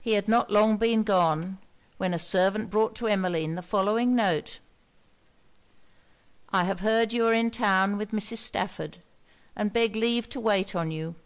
He had not long been gone, when a servant brought to Emmeline the following note. 'I have heard you are in town with Mrs. Stafford, and beg leave to wait on you.